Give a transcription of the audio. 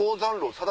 さだ？